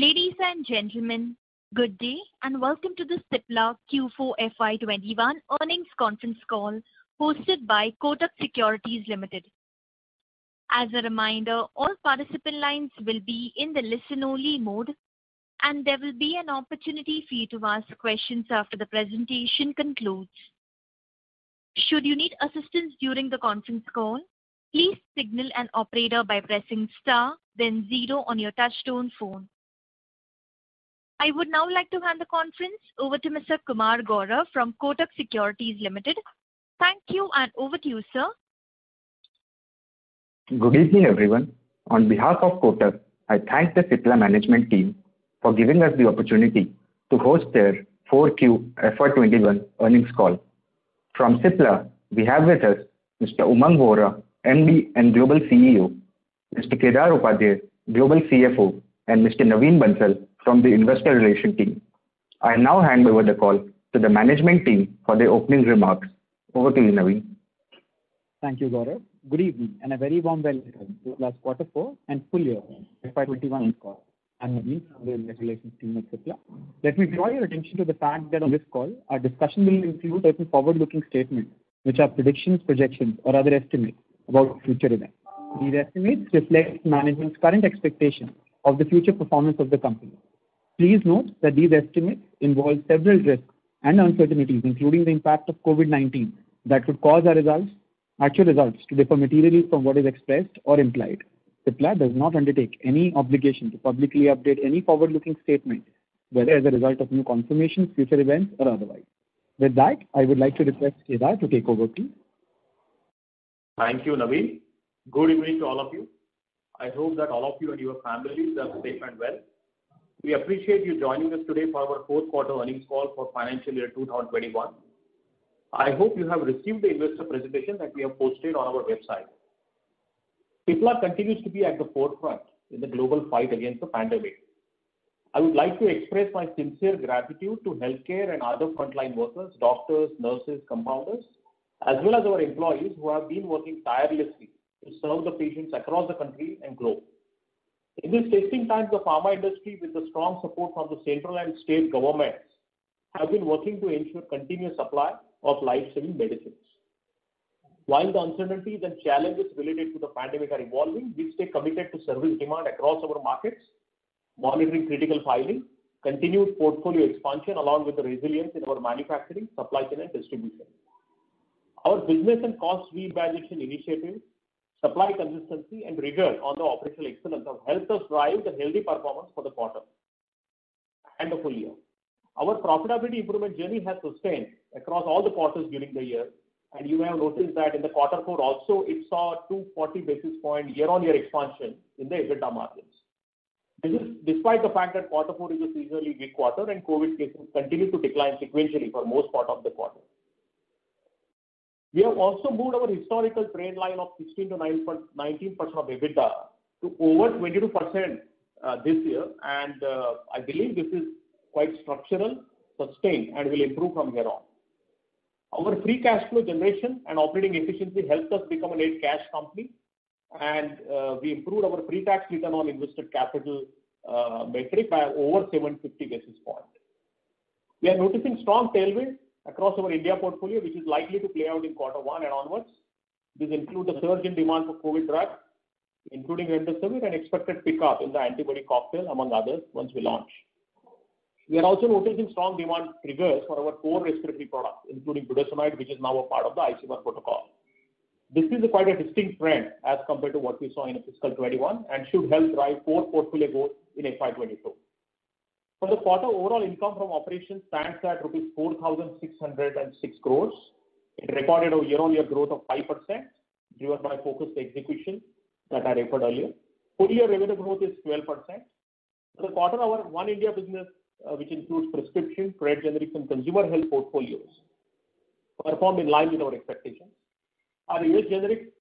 Ladies and gentlemen, good day and welcome to the Cipla Q4 FY 2021 earnings conference call hosted by Kotak Securities Limited. As a reminder, all participant lines will be in the listen-only mode, and there will be an opportunity for you to ask questions after the presentation concludes. Should you need assistance during the conference call, please signal an operator by pressing star then zero on your touch-tone phone. I would now like to hand the conference over to Mr. Kumar Gaurav from Kotak Securities Limited. Thank you, and over to you, sir. Good evening, everyone. On behalf of Kotak, I thank the Cipla management team for giving us the opportunity to host their four Q FY 2021 earnings call. From Cipla, we have with us Mr. Umang Vohra, MD and Global CEO, Mr. Kedar Upadhye, Global CFO, and Mr. Naveen Bansal from the investor relations team. I now hand over the call to the management team for the opening remarks. Over to you, Naveen. Thank you, Gaurav. Good evening, and a very warm welcome to last quarter four and full year FY 2021 call. I'm Naveen from the Investor Relations team at Cipla. Let me draw your attention to the fact that on this call our discussion will include certain forward-looking statements, which are predictions, projections, or other estimates about future events. These estimates reflect management's current expectation of the future performance of the company. Please note that these estimates involve several risks and uncertainties, including the impact of COVID-19, that could cause our actual results to differ materially from what is expressed or implied. Cipla does not undertake any obligation to publicly update any forward-looking statement, whether as a result of new information, future events, or otherwise. With that, I would like to request Kedar to take over, please. Thank you, Naveen. Good evening to all of you. I hope that all of you and your families are safe and well. We appreciate you joining us today for our fourth quarter earnings call for financial year 2021. I hope you have received the investor presentation that we have posted on our website. Cipla continues to be at the forefront in the global fight against the pandemic. I would like to express my sincere gratitude to healthcare and other frontline workers, doctors, nurses, compounders, as well as our employees who have been working tirelessly to serve the patients across the country and globe. In this testing time, the pharma industry, with the strong support from the central and state governments, have been working to ensure continuous supply of life-saving medicines. While the uncertainties and challenges related to the pandemic are evolving, we stay committed to serving demand across our markets, monitoring critical filings, continued portfolio expansion, along with the resilience in our manufacturing, supply chain, and distribution. Our business and cost remediation initiatives, supply consistency, and rigor on the operational excellence have helped us drive a healthy performance for the quarter and the full year. Our profitability improvement journey has sustained across all the quarters during the year, and you may have noticed that in the quarter four also, it saw 240 basis point year-on-year expansion in the EBITDA margins. This is despite the fact that quarter four is a seasonally weak quarter and COVID cases continued to decline sequentially for most part of the quarter. We have also moved our historical baseline of 16%-19% of EBITDA to over 22% this year, I believe this is quite structural, sustained, and will improve from here on. Our free cash flow generation and operating efficiency helped us become a late cash company, we improved our pre-tax return on invested capital metric by over 750 basis points. We are noticing strong tailwind across our India portfolio, which is likely to play out in quarter one and onwards. These include the surging demand for COVID drugs, including antiviral, Expected pickup in the antibody cocktail, among others, once we launch. We are also noticing strong demand triggers for our core respiratory products, including budesonide, which is now a part of the ICMR protocol. This is quite a distinct trend as compared to what we saw in fiscal 2021 and should help drive core portfolio growth in FY 2022. For the quarter, overall income from operations stands at 4,606 crores rupees and recorded a year-over-year growth of 5%, driven by focused execution that I referred earlier. Full year EBITDA growth is 12%. For the quarter, our One India business, which includes prescription, trade generics, and consumer health portfolios, performed in line with our expectations. Our U.S. generic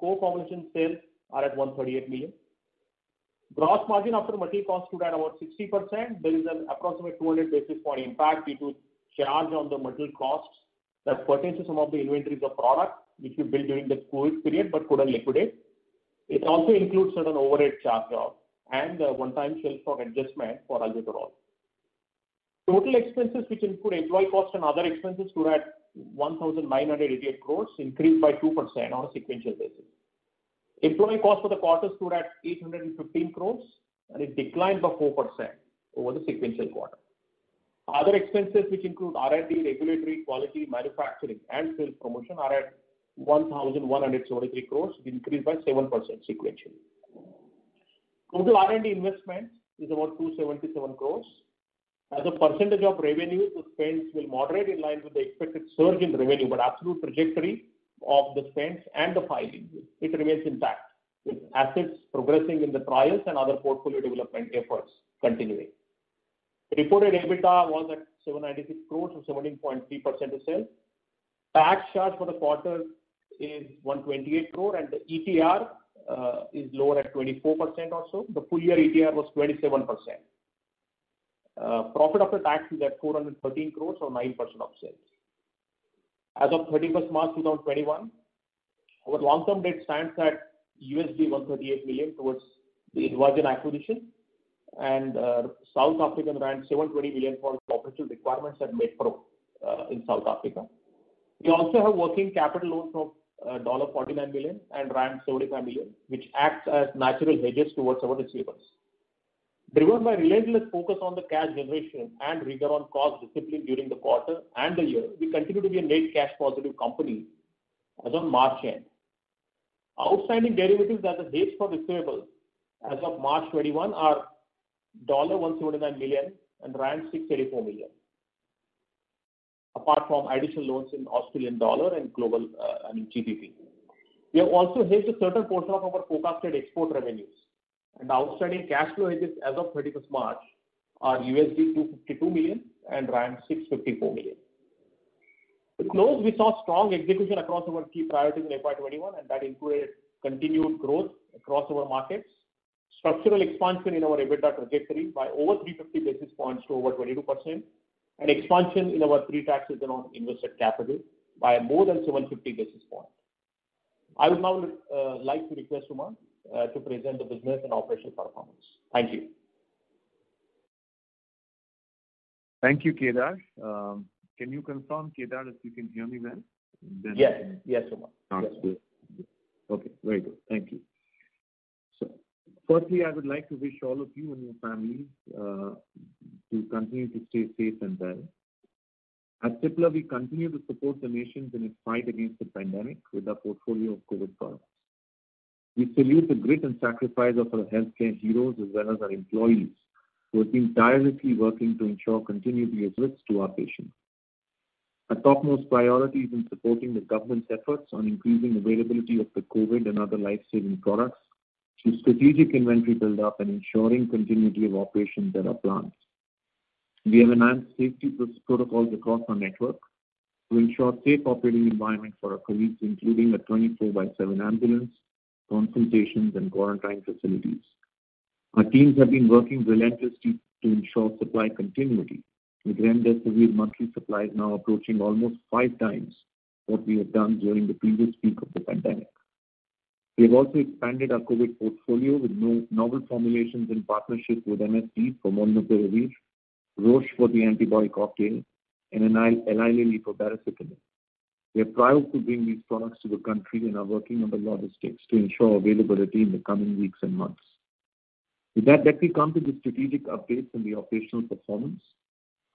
co-promotion sales are at $138 million. Gross margin after material costs stood at about 60%. There is an approximately 200 basis point impact due to charge on the material costs that pertains to some of the inventories of products which we built during the COVID period but couldn't liquidate. It also includes certain overhead charge-offs and a one-time sales force adjustment for Zelenko. Total expenses, which include employee costs and other expenses, stood at 1,988 crore, increased by 2% on a sequential basis. Employee costs for the quarter stood at 815 crore. It declined by 4% over the sequential quarter. Other expenses, which include R&D, regulatory, quality, manufacturing, and sales promotion, are at 1,143 crore, which increased by 7% sequentially. Total R&D investment is about 277 crore. As a percentage of revenue, the spends will moderate in line with the expected surge in revenue. Absolute trajectory of the spends and the filings, it remains intact, with assets progressing in the trials and other portfolio development efforts continuing. Reported EBITDA was at 796 crore or 17.3% of sales. Tax charge for the quarter is 128 crore. The ETR is lower at 24% or so. The full year ETR was 27%. Profit after tax is at 413 crore or 9% of sales. As of 31st March 2021, our long-term debt stands at $138 million towards the InvaGen acquisition and 720 million for operational requirements at Medpro in South Africa. We also have working capital loans of a $49 million and 75 million, which acts as natural hedges towards our receivables. Driven by relentless focus on the cash generation and rigor on cost discipline during the quarter and the year, we continue to be a net cash positive company as of March end. Outstanding derivatives as the hedge for receivables as of March 21st are $179 million and 634 million. Apart from additional loans in Australian dollar and global GBP. We have also hedged a certain portion of our forecasted export revenues and outstanding cash flow hedges as of 31st March are $252 million and 654 million. To close, we saw strong execution across our key priorities in FY 2021, and that included continued growth across our markets, structural expansion in our EBITDA trajectory by over 350 basis points to over 22%, and expansion in our pre-tax return on invested capital by more than 750 basis points. I would now like to request Umang Vohra to present the business and operational performance. Thank you. Thank you, Kedar. Can you confirm, Kedar, if you can hear me well? Yes, Umang Vohra. Sounds good. Okay, very good. Thank you. Firstly, I would like to wish all of you and your families to continue to stay safe and well. At Cipla, we continue to support the nation in its fight against the pandemic with our portfolio of COVID products. We salute the grit and sacrifice of our healthcare heroes as well as our employees who have been tirelessly working to ensure continuity of service to our patients. Our topmost priority is in supporting the government's efforts on increasing availability of the COVID and other life-saving products through strategic inventory build-up and ensuring continuity of operations at our plants. We have enhanced safety protocols across our network to ensure safe operating environment for our colleagues, including a 24/7 ambulance, consultations, and quarantine facilities. Our teams have been working relentlessly to ensure supply continuity, with remdesivir monthly supplies now approaching almost five times what we had done during the previous peak of the pandemic. We have also expanded our COVID portfolio with novel formulations in partnership with MSD for molnupiravir, Roche for the antibody cocktail, and Eli Lilly for baricitinib. We are proud to bring these products to the country and are working on the logistics to ensure availability in the coming weeks and months. Let me come to the strategic updates and the operational performance.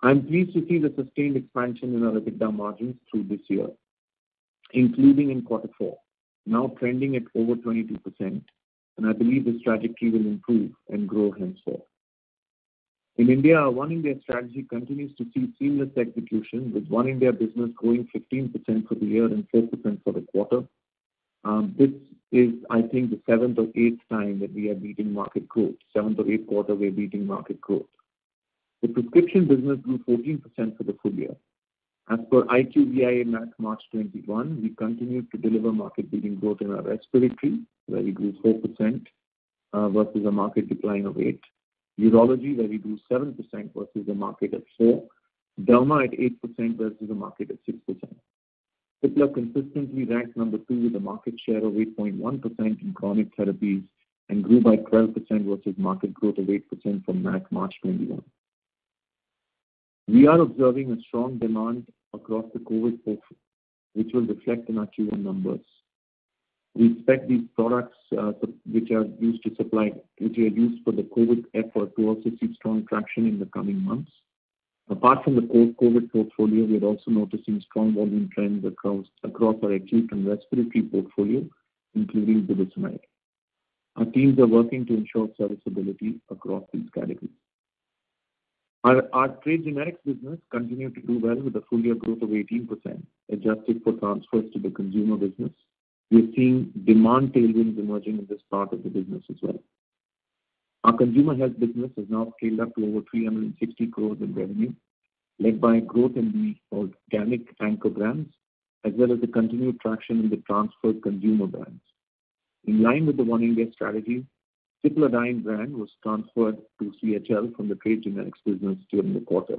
I am pleased to see the sustained expansion in our EBITDA margins through this year, including in quarter four, now trending at over 22%. I believe this trajectory will improve and grow henceforth. In India, our One India strategy continues to see seamless execution, with One India business growing 15% for the year and 4% for the quarter. This is, I think, the seventh or eighth time that we are beating market growth. Seventh or eighth quarter we're beating market growth. The prescription business grew 14% for the full year. As per IQVIA MAT March 21st, we continued to deliver market-leading growth in our respiratory, where we grew 4% versus a market decline of eight urology, where we grew 7% versus a market of 4%. Derma at 8% versus a market at 6%. Cipla consistently ranked number two with a market share of 8.1% in chronic therapies and grew by 12% versus market growth of 8% for MAT March 21st. We are observing a strong demand across the COVID portfolio, which will reflect in our Q1 numbers. We expect these products which are used for the COVID effort to also see strong traction in the coming months. Apart from the COVID portfolio, we are also noticing strong volume trends across our acute and respiratory portfolio, including budesonide. Our teams are working to ensure serviceability across these categories. Our trade generics business continued to do well with a full-year growth of 18%, adjusted for transfers to the consumer business. We are seeing demand tailwinds emerging in this part of the business as well. Our consumer health business has now scaled up to over 360 crores in revenue, led by growth in the organic anchor brands, as well as the continued traction in the transferred consumer brands. In line with the One India strategy, Cipladine brand was transferred to CHL from the trade generics business during the quarter.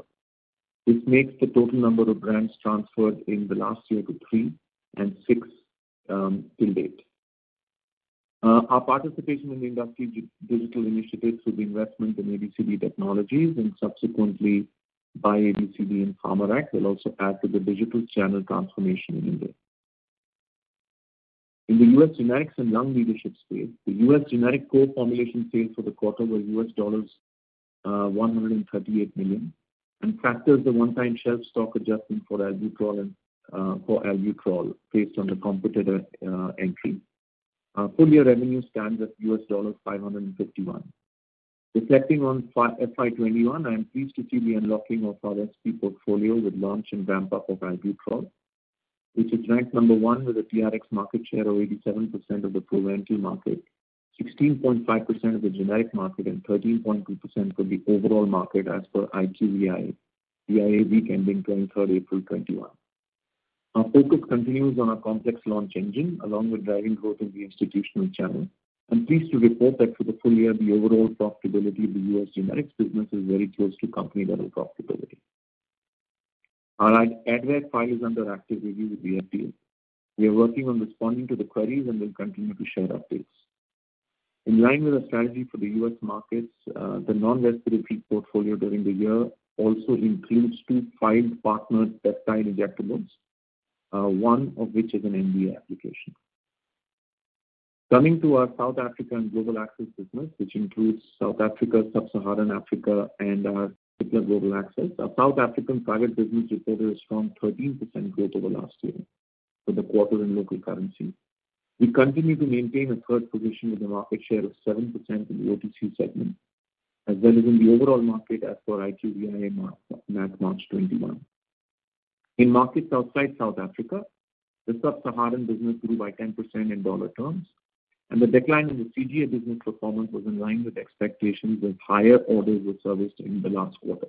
This makes the total number of brands transferred in the last year to three and six till date. Our participation in the industry digital initiatives through the investment in ABCD Technologies and subsequently by ABCD and PharmEasy will also add to the digital channel transformation in India. In the U.S. generics and lung leadership space, the U.S. generic core formulation sales for the quarter were $138 million, and factors the one-time shelf stock adjustment for albuterol based on the competitor entry. Full-year revenue stands at $551. Reflecting on FY 2021, I am pleased to see the unlocking of our SP portfolio with launch and ramp-up of albuterol, which is ranked number one with a TRx market share of 87% of the preventer market, 16.5% of the generic market, and 13.2% of the overall market as per IQVIA week ending 23rd April 2021. Our focus continues on our complex launch engine, along with driving growth in the institutional channel. I'm pleased to report that for the full year, the overall profitability of the U.S. generics business is very close to company-level profitability. Our Advair file is under active review with the FDA. We are working on responding to the queries and will continue to share updates. In line with the strategy for the U.S. markets, the non-respiratory portfolio during the year also includes two filed partner peptide injectables, one of which is an NDA application. Coming to our South Africa and Global Access business, which includes South Africa, sub-Saharan Africa, and our particular Global Access. Our South African private business recorded a strong 13% growth over last year for the quarter in local currency. We continue to maintain a third position with a market share of 7% in the OTC segment as well as in the overall market as per IQVIA MAT March 21st. In markets outside South Africa, the sub-Saharan business grew by 10% in dollar terms, and the decline in the CGA business performance was in line with expectations as higher orders were serviced in the last quarter.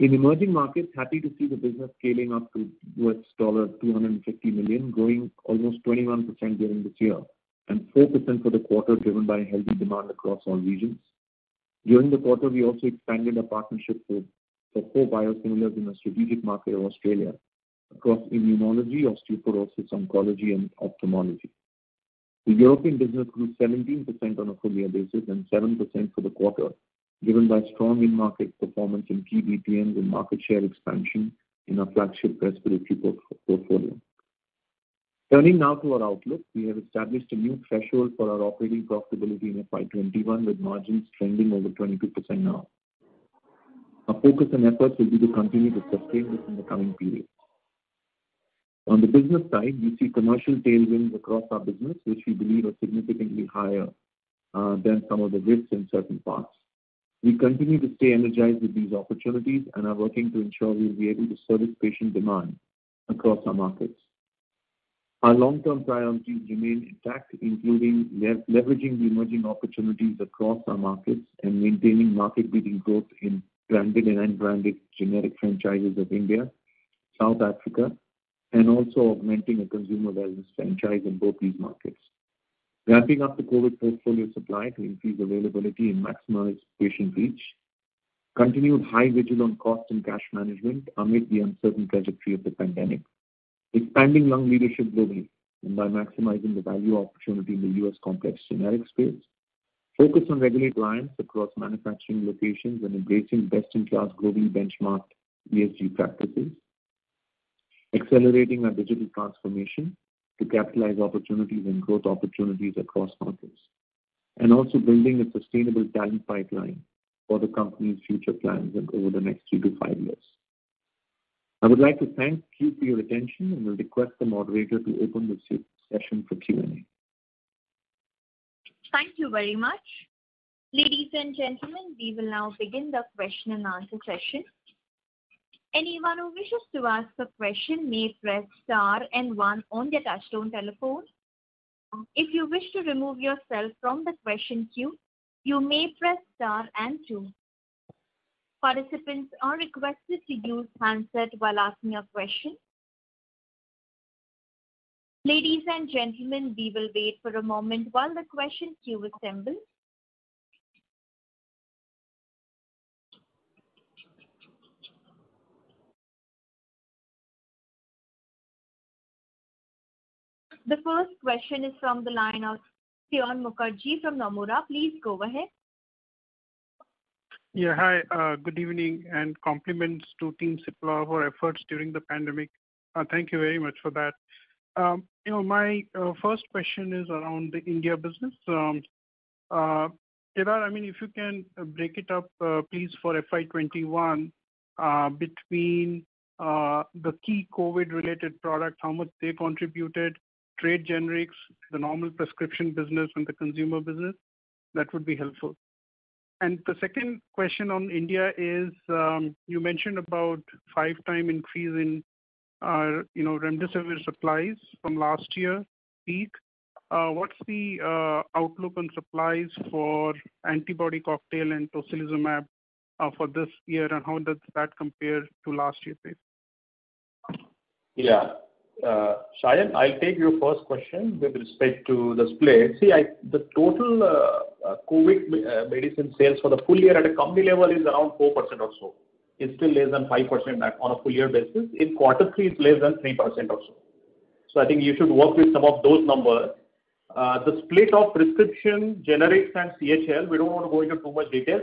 In emerging markets, happy to see the business scaling up to $250 million, growing almost 21% during the year and 4% for the quarter, driven by healthy demand across all regions. During the quarter, we also expanded our partnership with Alvotech biosimilar in the strategic market of Australia across immunology, osteoporosis, oncology, and ophthalmology. The European business grew 17% on a full year basis and 7% for the quarter, driven by strong in-market performance in GBPM and market share expansion in our flagship respiratory portfolio. Turning now to our outlook. We have established a new threshold for our operating profitability in FY 2021, with margins trending over 22% now. Our focus and efforts will be to continue to sustain this in the coming period. On the business side, we see commercial tailwinds across our business, which we believe are significantly higher than some of the risks in certain parts. We continue to stay energized with these opportunities and are working to ensure we'll be able to service patient demand across our markets. Our long-term priorities remain intact, including leveraging the emerging opportunities across our markets and maintaining market-leading growth in branded and unbranded generic franchises of India, South Africa, and also augmenting a consumer-led franchise in both these markets. Ramping up the COVID portfolio supply to increase availability and maximize patient reach. Continued high vigil on cost and cash management amid the uncertain trajectory of the pandemic. Expanding young leadership globally by maximizing the value opportunity in the U.S. complex generics space. Focus on regulatory compliance across manufacturing locations and embracing best-in-class globally benchmarked ESG practices. Accelerating our digital transformation to capitalize opportunities and growth opportunities across markets. Also building a sustainable talent pipeline for the company's future plans over the next three to five years. I would like to thank you for your attention and will request the moderator to open the session for Q&A. Thank you very much. Ladies and gentlemen, we will now begin the question and answer session. Anyone who wishes to ask a question may press star and one on their touchtone telephone. If you wish to remove yourself from the question queue, you may press star and two. Participants are requested to use handset while asking a question. Ladies and gentlemen, we will wait for a moment while the question queue assembles. The first question is from the line of Saion Mukherjee from Nomura. Please go ahead. Yeah. Hi, good evening, and compliments to Team Cipla for efforts during the pandemic. Thank you very much for that. My first question is around the India business. Kedar, if you can break it up, please, for FY 2021, between the key COVID-related product, how much they contributed, trade generics, the normal prescription business, and the consumer business, that would be helpful. The second question on India is, you mentioned about five times increase in remdesivir supplies from last year peak. What's the outlook on supplies for antibody cocktail and tocilizumab for this year, and how does that compare to last year's peak? Yeah. Saion, I'll take your first question with respect to the split. See, the total COVID medicine sales for the full year at a company level is around 4% or so. It's still less than 5% on a full year basis. In quarter three, it's less than 3% or so. I think you should work with some of those numbers. The split of prescription generics and CHL, we don't want to go into too much details,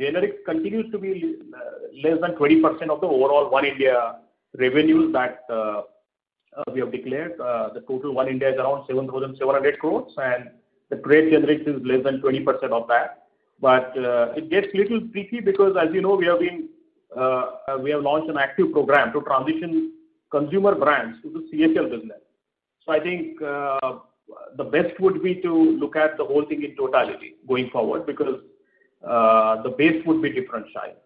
generics continues to be less than 20% of the overall One India revenue that we have declared. The total One India is around 7,700 crores, the trade generic is less than 20% of that. It gets a little tricky because as you know, we have launched an active program to transition consumer brands to the CHL business. I think the best would be to look at the whole thing in totality going forward, because the base would be different, Saion.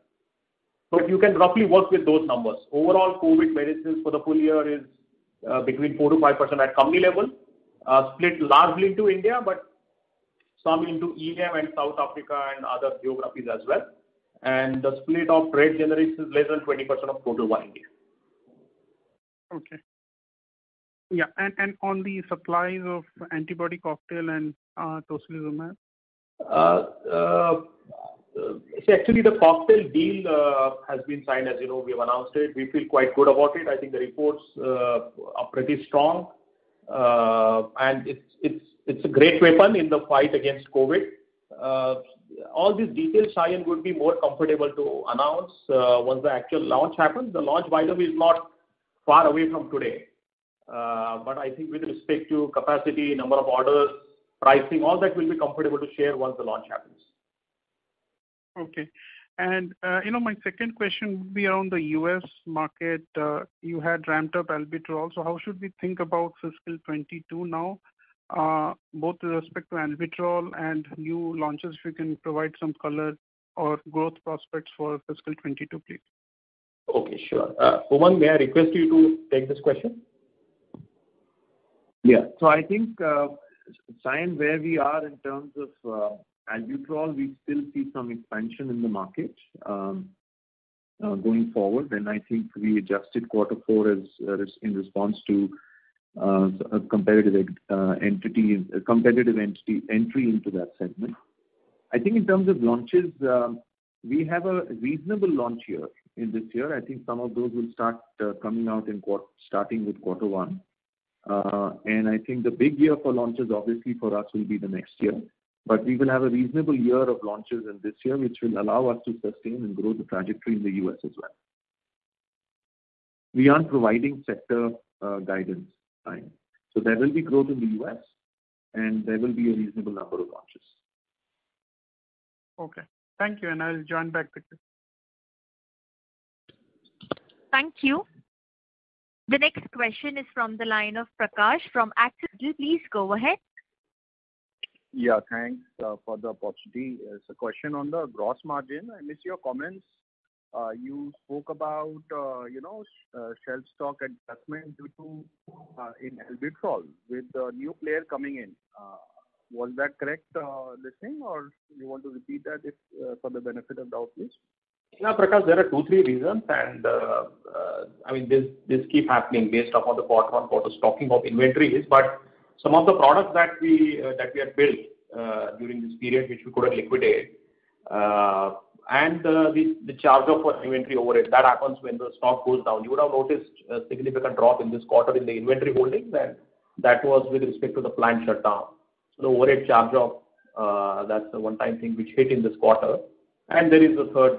You can roughly work with those numbers. Overall COVID medicines for the full year is between 4%-5% at company level, split largely into India but. Some into EMEA and South Africa and other geographies as well. The split of trade generic is less than 20% of total volume. Okay. Yeah, on the supplies of antibody cocktail and tocilizumab. Actually, the cocktail deal has been signed, as you know, we have announced it. We feel quite good about it. I think the reports are pretty strong. It's a great weapon in the fight against COVID. All these details, Saion, would be more comfortable to announce once the actual launch happens. The launch, by the way, is not far away from today. I think with respect to capacity, number of orders, pricing, all that we'll be comfortable to share once the launch happens. Okay. My second question would be on the U.S. market. You had ramped up albuterol. How should we think about FY 2022 now, both with respect to albuterol and new launches, if you can provide some color or growth prospects for FY 2022, please? Okay. Sure. Umang, may I request you to take this question? Yeah. I think, Saion, where we are in terms of albuterol, we still see some expansion in the market going forward. I think we adjusted quarter four in response to a competitive entry into that segment. I think in terms of launches, we have a reasonable launch here in this year. I think some of those will start coming out starting with quarter one. I think the big year for launches, obviously, for us will be the next year. We will have a reasonable year of launches in this year, which will allow us to sustain and grow the trajectory in the U.S. as well. We aren't providing sector guidance, Saion. There will be growth in the U.S., and there will be a reasonable number of launches. Okay. Thank you. I'll join back the queue. Thank you. The next question is from the line of Prakash from Axis. Please go ahead. Thanks for the opportunity. As a question on the gross margin, I missed your comments. You spoke about shelf stock adjustment in albuterol with the new player coming in. Was that correct listening, or do you want to repeat that for the benefit of the audience? Prakash, there are two, three reasons. This keeps happening based upon the quarter for the stocking of inventories. Some of the products that we had built during this period, we should go to liquidate. The charge-off for inventory overhead, that happens when the stock goes down. You would have noticed a significant drop in this quarter in the inventory holdings, and that was with respect to the plant shutdown. The overhead charge-off, that's a one-time thing which hit in this quarter. There is a third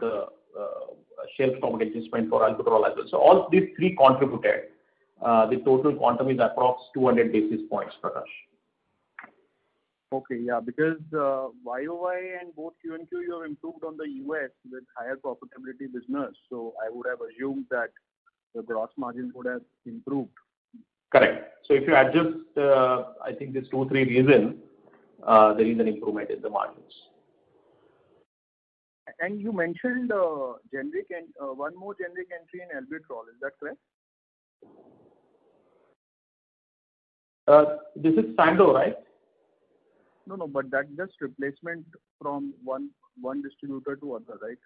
shelf stock adjustment for albuterol as well. All these three contributed. The total quantum is approx 200 basis points, Prakash. Because YoY and both QoQ, you have improved on the U.S. with higher profitability business. I would have assumed that the gross margin would have improved. Correct. If you adjust, I think there's two, three reasons, there is an improvement in the margins. You mentioned one more generic entry in albuterol, is that correct? This is Perrigo, right? No. That's just replacement from one distributor to other, right?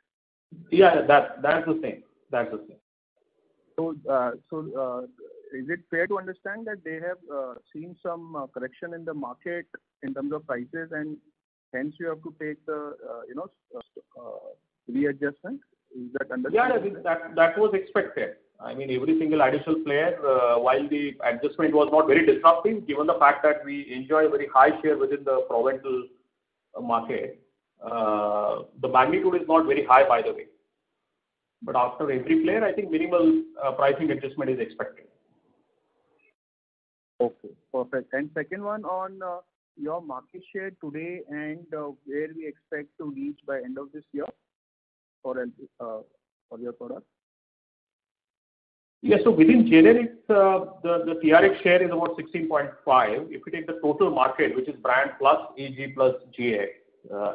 Yeah. That's the thing. Is it fair to understand that they have seen some correction in the market in terms of prices and hence you have to take the readjustment? Is that understanding? Yeah, that was expected. Everything is additional player. While the adjustment was not very disruptive, given the fact that we enjoy a very high share within the Proventil market. The magnitude is not very high, by the way. After every player, I think minimal pricing adjustment is expected. Okay, perfect. Second one on your market share today and where we expect to reach by end of this year for your product? Yeah. Within generics, the TRx share is about 16.5%. If you take the total market, which is brand plus AG plus GA,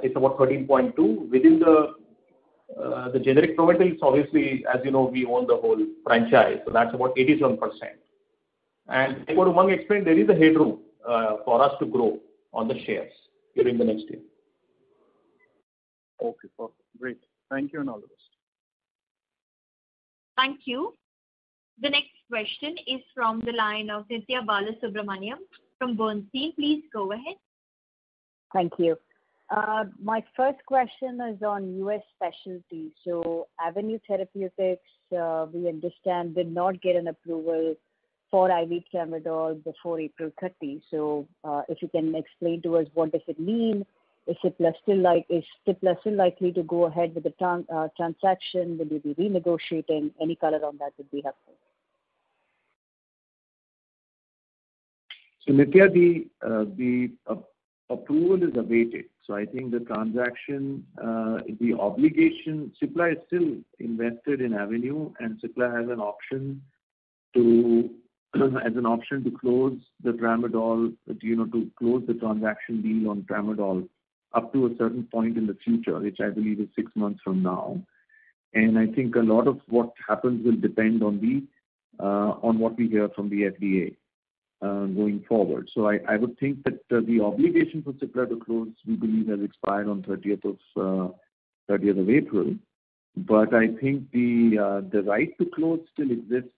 it's about 13.2%. Within the generic Proventil, obviously, as you know, we own the whole franchise, so that's about 87%. Therefore, Umang explained there is a headroom for us to grow on the shares during the next year. Okay, perfect. Great. Thank you. All the best. Thank you. The next question is from the line of Nithya Balasubramanian from Bernstein. Please go ahead. Thank you. My first question is on U.S. specialty. Avenue Therapeutics, we understand, did not get an approval for IV tramadol before April 30th. If you can explain to us what does it mean? Is Cipla still likely to go ahead with the transaction? Will you be renegotiating? Any color on that would be helpful. Nithya, the approval is awaited. I think the transaction, the obligation, Cipla is still invested in Avenue, and Cipla has an option to close the transaction deal on tramadol up to a certain point in the future, which I believe is six months from now. I think a lot of what happens will depend on what we hear from the FDA going forward. I would think that the obligation for Cipla to close, we believe, has expired on 30th of April. I think the right to close still exists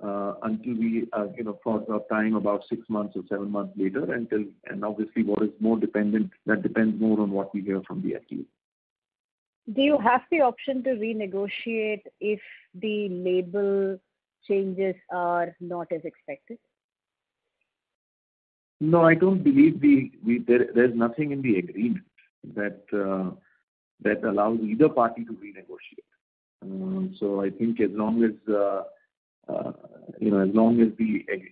for a time, about six months or seven months later. Obviously, that depends more on what we hear from the FDA. Do you have the option to renegotiate if the label changes are not as expected? No, I don't believe. There's nothing in the agreement that allows either party to renegotiate. I think as long as the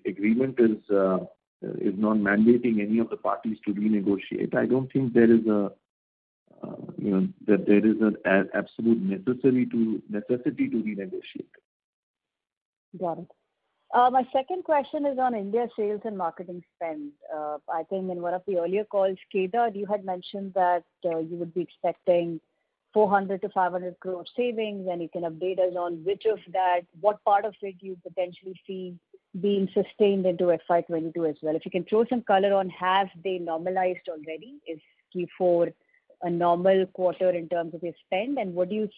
agreement is not mandating any of the parties to renegotiate, I don't think there is an absolute necessity to renegotiate. Got it. My second question is on India sales and marketing spend. I think in one of the earlier calls, Kedar, you had mentioned that you would be expecting 400 crore-500 crore savings, and you can update us on which of that, what part of it you potentially see being sustained into FY 2022 as well. If you can throw some color on has they normalized already? Is Q4 a normal quarter in terms of your spend, and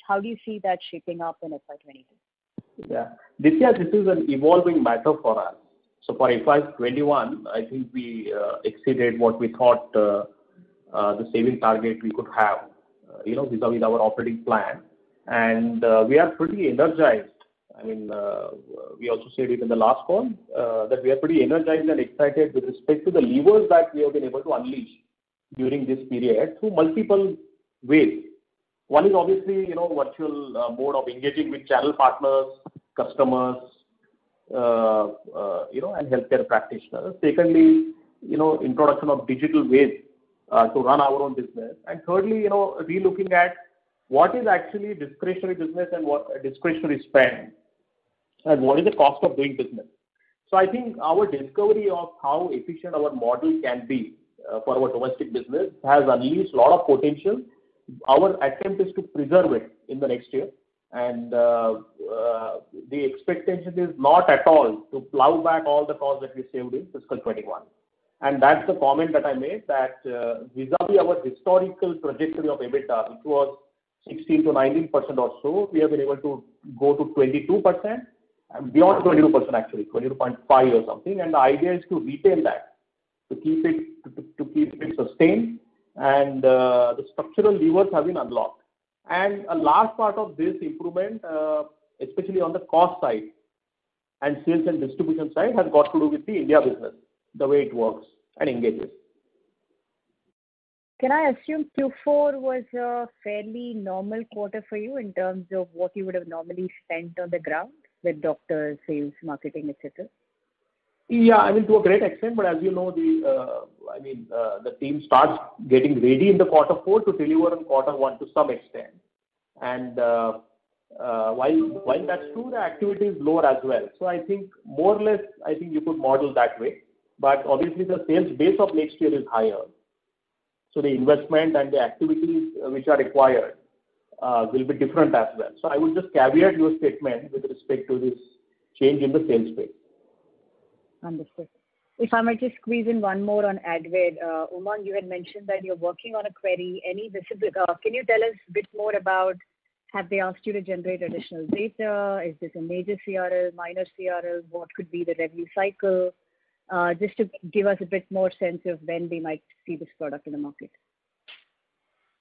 how do you see that shaping up in FY 2022? Nithya, this is an evolving matter for us. For FY21, I think we exceeded what we thought the saving target we could have vis-à-vis our operating plan. We are pretty energized. We also stated in the last call that we are pretty energized and excited with respect to the levers that we have been able to unleash during this period through multiple ways. One is obviously, virtual mode of engaging with channel partners, customers, and healthcare practitioners. Secondly, introduction of digital ways to run our own business. Thirdly, relooking at what is actually discretionary business and discretionary spend, and what is the cost of doing business. I think our discovery of how efficient our model can be for our domestic business has unleashed a lot of potential. Our attempt is to preserve it in the next year. The expectation is not at all to plow back all the cost that we saved in FY 2021. That's the comment that I made, that vis-à-vis our historical projection of EBITDA, which was 16%-19% or so, we have been able to go to 22%, and beyond 20% actually, 20.5% or something. The idea is to retain that, to keep it sustained. The structural levers have been unlocked. A large part of this improvement, especially on the cost side and sales and distribution side, has got to do with the India business, the way it works and engages. Can I assume Q4 was a fairly normal quarter for you in terms of what you would've normally spent on the ground with doctor sales marketing initiatives? Yeah, I mean, to a great extent. As you know, the team starts getting ready in the quarter four to deliver in quarter one to some extent. While that's true, the activity is lower as well. I think more or less, you could model that way. Obviously the sales base of next year is higher, the investment and the activities which are required will be different as well. I would just caveat your statement with respect to this change in the sales base. Understood. If I might just squeeze in one more on Advair. Umang, you had mentioned that you're working on a query. Can you tell us a bit more about have they asked you to generate additional data? Is this a major CRL, minor CRL? What could be the review cycle? Just to give us a bit more sense of when we might see this product in the market.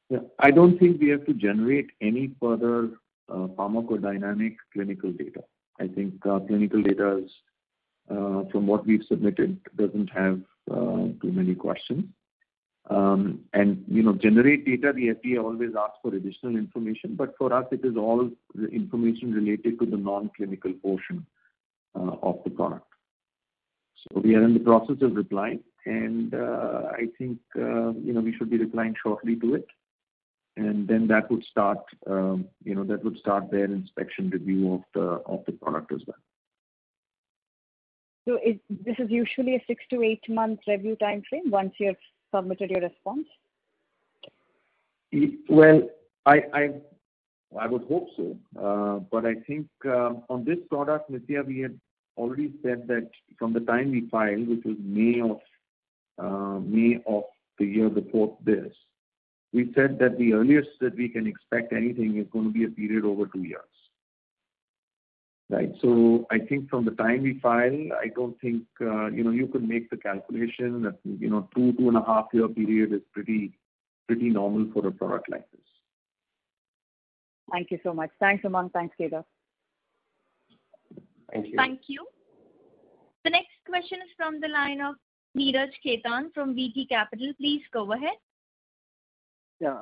Yeah. I don't think we have to generate any further pharmacodynamic clinical data. I think the clinical data from what we’ve submitted doesn’t have too many questions. Generally, data, the FDA always asks for additional information, but for us it is all the information related to the non-clinical portion of the product. We are in the process of replying, and I think we should be replying shortly to it. That would start their inspection review of the product as well. This is usually a six to eight-month review timeframe once you have submitted a response? Well, I would hope so. I think on this product, Nithya, we had already said that from the time we filed, which was May of the year before this, we said that the earliest that we can expect anything is going to be a period over two years. Right. I think from the time we file, you can make the calculation that two and a half year period is pretty normal for a product like this. Thank you so much. Thanks, Umang. Thanks, Kedar. Thank you. Thank you. The next question is from the line of Neeraj Khetan from DG Capital. Please go ahead. Yeah.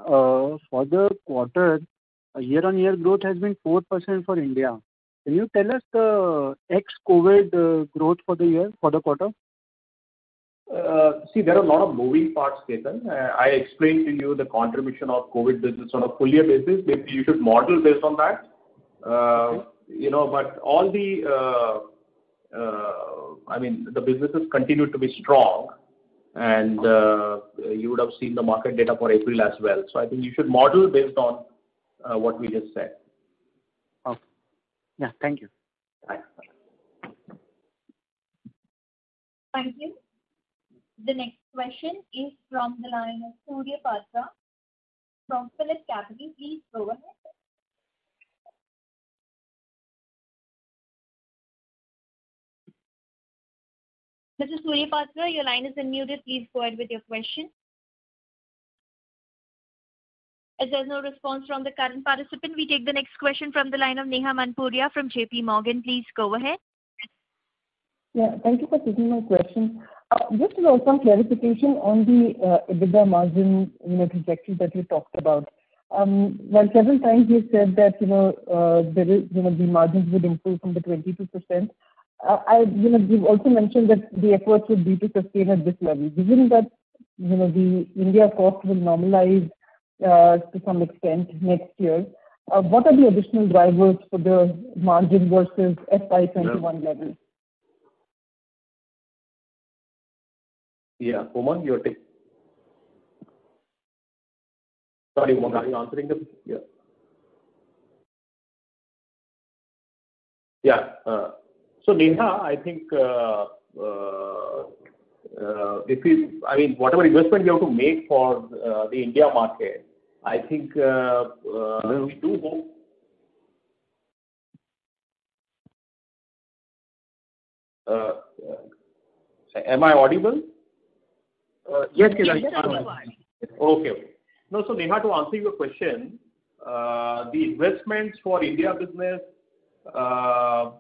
For the quarter, year-on-year growth has been 4% for India. Can you tell us the ex-COVID growth for the quarter? See, there are a lot of moving parts, Khetan. I explained to you the contribution of COVID business on a full year basis. Maybe you should model based on that. Okay. The businesses continue to be strong, and you would have seen the market data for April as well. I think you should model based on what we just said. Okay. Thank you. Thank you. The next question is from the line of Surya Patra from PhillipCapital. Please go ahead. Mr. Surya Patra, your line is unmuted. Please go ahead with your question. As there's no response from the current participant, we take the next question from the line of Neha Manpuria from JPMorgan. Please go ahead. Yeah, thank you for taking my question. Just to ask for clarification on the EBITDA margin trajectory that you talked about. Several times you have said that the margins would improve from the 22%. You've also mentioned that the approach would be to sustain at this level, given that the India cost will normalize to some extent next year. What are the additional drivers for the margin versus FY 2021 level? Yeah. Kumar, your take. Sorry, Kumar, are you answering this? Yeah. Neha, I think whatever investment you have to make for the India market, I think we do hope. Am I audible? Yes. You are. Okay. Neha, to answer your question, the investments for India business will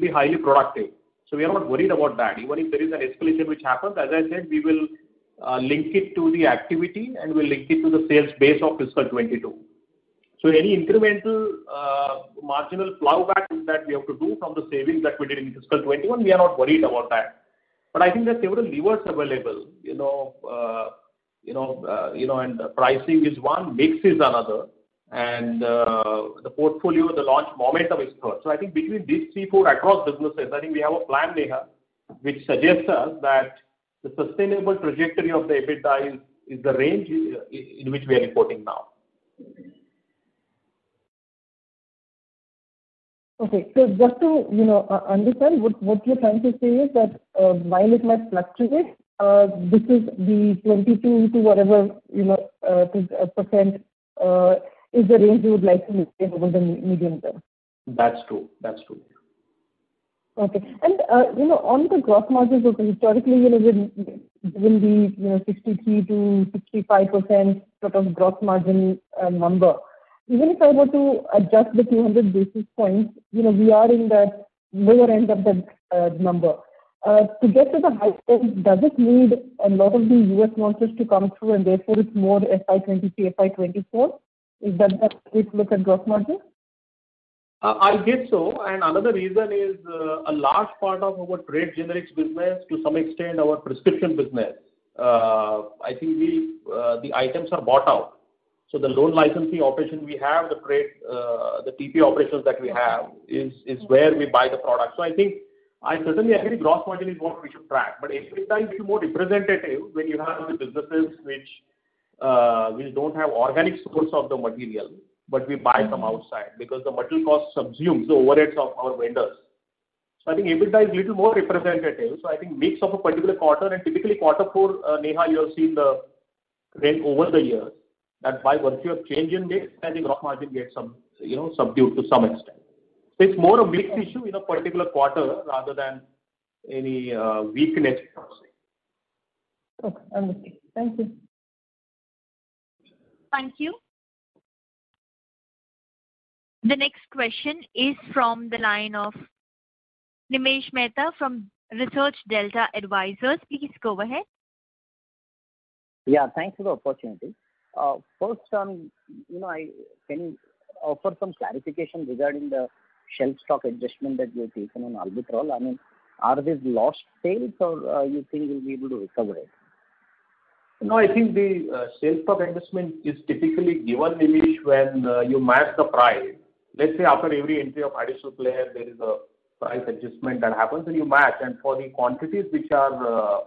be highly productive. We are not worried about that. Even if there is an escalation which happens, as I said, we will link it to the activity and we'll link it to the sales base of FY 2022. Any incremental marginal plowback to that we have to do from the savings that we did in FY 2021, we are not worried about that. I think there are several levers available. Pricing is one, mix is another, and the portfolio, the launch momentum is third. I think between these three across businesses, I think we have a plan, Neha, which suggests us that the sustainable trajectory of the EBITDA is the range in which we are reporting now. Okay. Just to understand, what you're trying to say is that while it might fluctuate this is the 22 into whatever percent is the range you would like to take over the medium term? That's true. Okay. On the gross margins historically, it will be 63%-65% sort of gross margin number. Even if I were to adjust the 200 basis points, we are in that lower end of that number. To get to the high point, does it need a lot of the U.S. launches to come through and therefore it's more FY 2023, FY 2024? Is that the outlook on gross margin? I guess so. Another reason is a large part of our trade generics business to some extent our prescription business. I think the items are bought out. Those licensing operations we have, the P2P operations that we have, is where we buy the product. I think certainly gross margin is what we should track, but EBITDA is more representative when you have the business which we don't have organic source of the material, but we buy from outside because the material cost subsumes the overheads of our vendors. I think EBITDA is little more representative. I think mix of a particular quarter and typically quarter four, Neha, you have seen trend over the years that once you have change in mix then the gross margin gets subdued to some extent. It's more a mix issue in a particular quarter rather than any weakness per se. Okay, understood. Thank you. Thank you. The next question is from the line of Nimish Mehta from ResearchDelta Advisors. Please go ahead. Yeah, thank you for the opportunity. First, can you offer some clarification regarding the shelf stock adjustment that you have taken on albuterol? Are these lost sales or you think you'll be able to recover it? No, I think the shelf stock adjustment is typically given, Nimish, when you match the price. Let's say after every entry of additional player, there is a price adjustment that happens when you match. For the quantities which are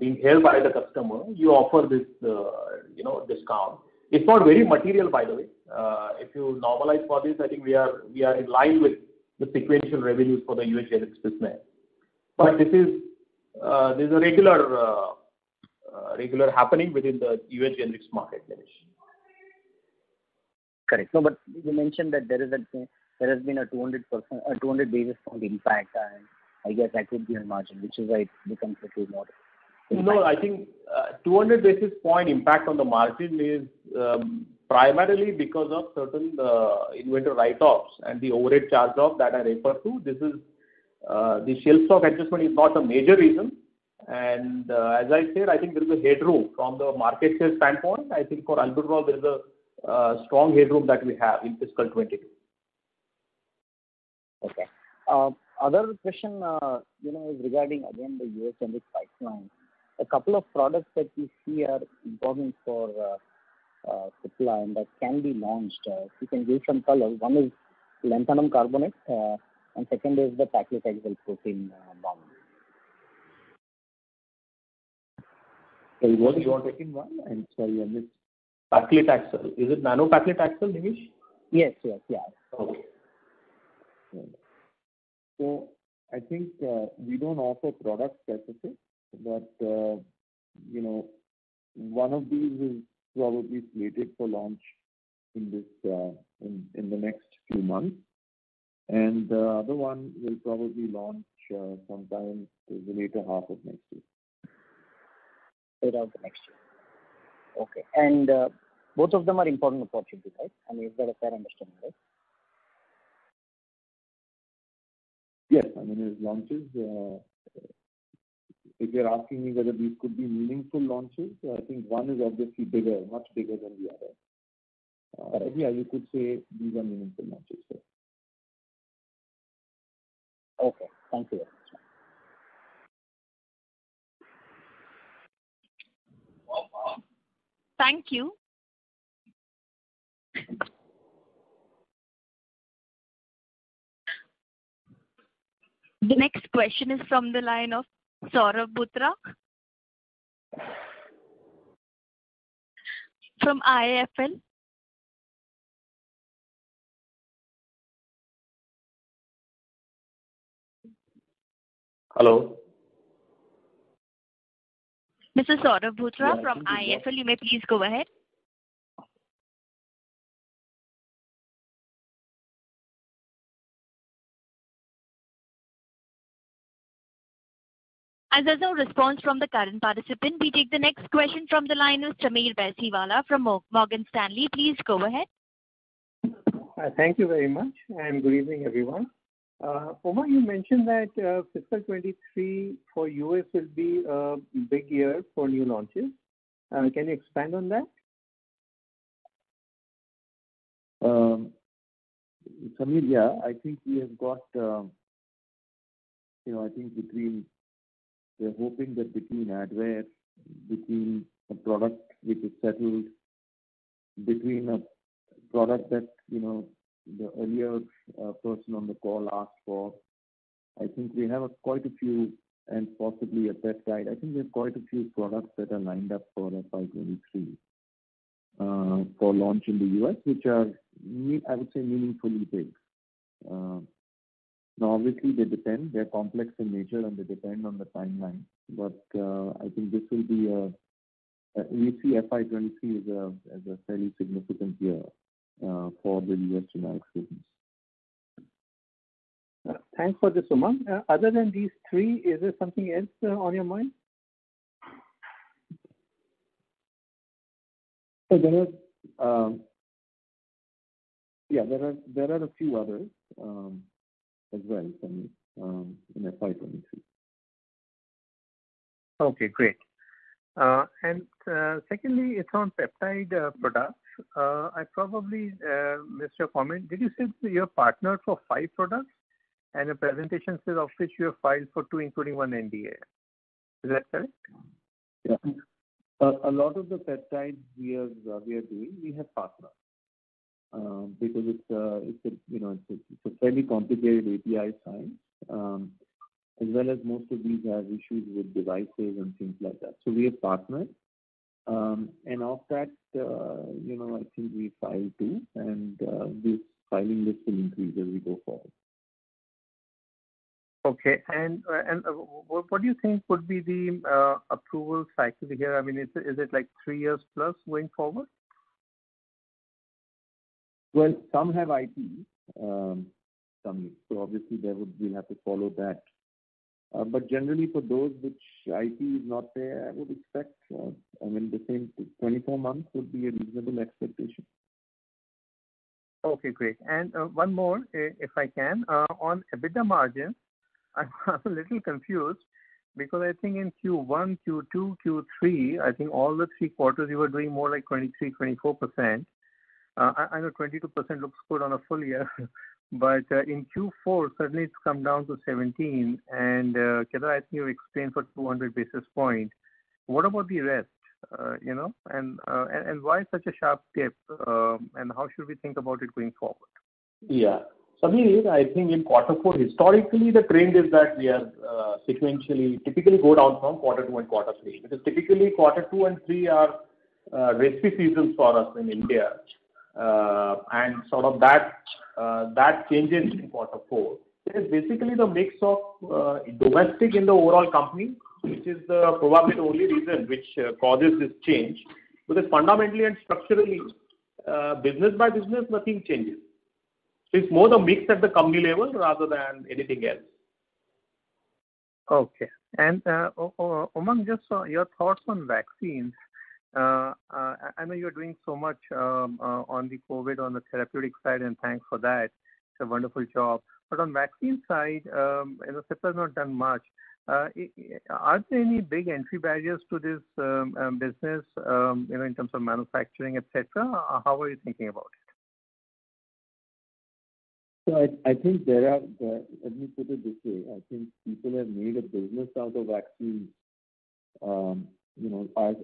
being held by the customer, you offer this discount. It's not very material, by the way. If you normalize for this, I think we are in line with the sequential revenue for the U.S. generics business. This is a regular happening within the U.S. generics market, Nimish. Correct. You mentioned that there has been a 200 basis point impact and I guess that could be on margin, which is why it becomes a bit more. No, I think 200 basis point impact on the margin is primarily because of certain inventory write-offs and the overhead charge-off that I referred to. The shelf stock adjustment is not a major reason. As I said, I think there's a headroom from the market share standpoint. I think for albuterol there's a strong headroom that we have in FY 2022. Okay. Other question is regarding again the U.S. generics pipeline. A couple of products that we see are important for pipeline that can be launched. We can give some color. One is lanthanum carbonate. Second is the paclitaxel protein bound. Which one is the second one? I'm sorry, I missed. Paclitaxel. Is it nab-paclitaxel, Nimish? Yes. Okay. I think we don't offer product specifics, but one of these is probably slated for launch in the next few months, and the other one will probably launch sometime in the later half of next year. Later half of next year. Okay. Both of them are important for us, right? I mean, if there are certain customers, right? Yes. I mean, as launches, if you're asking me whether these could be meaningful launches, I think one is obviously much bigger than the other. I think you could say these are meaningful launches, sir. Okay. Thank you. Thank you. The next question is from the line of Saurav Bhutra from IIFL. Hello. Mr. Saurav Bhutra from IIFL, you may please go ahead. As there's no response from the current participant, we take the next question from the line of Sameer Baisiwala from Morgan Stanley. Please go ahead. Thank you very much, and good evening, everyone. Umang Vohra, you mentioned that fiscal 2023 for U.S. will be a big year for new launches. Can you expand on that? Sameer, I think we're hoping that between Advair, between a product which is settled, between a product that the earlier person on the call asked for, and possibly a peptide, I think there's quite a few products that are lined up for FY 2023 for launch in the U.S., which are, I would say, meaningfully big. Now, obviously, they're complex in nature, and they depend on the timeline. I think we see FY 2023 as a very significant year for the U.S. generics business. Thanks for this, Umang. Other than these three, is there something else on your mind? Yeah, there are a few others as well coming in FY 2023. Okay, great. Secondly, it's on peptide products. I probably missed your comment. Did you say you have partnered for five products, and your presentation says of which you have filed for two, including one NDA. Is that correct? Yeah. A lot of the peptides we are doing, we have partners. It's a fairly complicated API science, as well as most of these have issues with devices and things like that. We have partners. Of that, I think we file two, and this filing will increase as we go forward. Okay. What do you think would be the approval cycle here? Is it three years plus going forward? Some have IP, Sameer, so obviously we'll have to follow that. Generally, for those which IP is not there, I would expect the same. 24 months would be a reasonable expectation. Okay, great. One more, if I can, on EBITDA margin. I'm a little confused because I think in Q1, Q2, Q3, I think all the three quarters you were doing more like 23%, 24%. I know 22% looks good on a full year, but in Q4, suddenly it's come down to 17%, and can I ask you to explain for 200 basis points? What about the rest? Why such a sharp step, and how should we think about it going forward? Yeah. Sameer, I think in quarter four, historically, the trend is that we have sequentially typically go down from quarter two and quarter three, because typically quarter two and three are respiratory seasons for us in India. That changes in quarter four. It is basically the mix of domestic in the overall company, which is probably the only reason which causes this change. That fundamentally and structurally, business by business, nothing changes. It's more the mix at the company level rather than anything else. Okay. Umang, just your thoughts on vaccines. I know you're doing so much on the COVID, on the therapeutic side, and thanks for that. It's a wonderful job. On vaccine side, Cipla's not done much. Are there any big entry barriers to this business, even in terms of manufacturing, et cetera? How are you thinking about it? I think let me put it this way. I think people have made a business out of vaccines,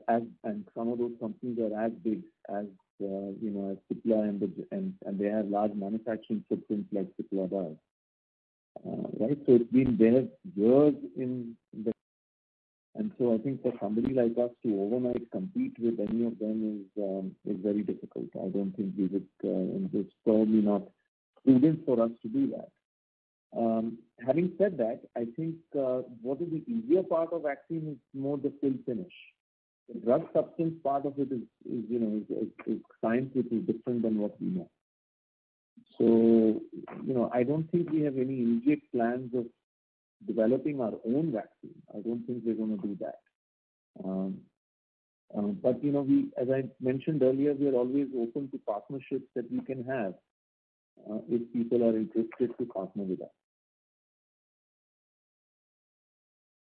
and some of those companies are as big as Cipla and they have large manufacturing footprints like Cipla does. It's been years in the making. I think for somebody like us to overnight compete with any of them is very difficult. There's probably not prudence for us to do that. Having said that, I think what is the easier part of vaccine is more the fill finish. The drug substance part of it is scientifically different than what we know. I don't think we have any immediate plans of developing our own vaccine. I don't think we're going to do that. As I mentioned earlier, we are always open to partnerships that we can have if people are interested to partner with us.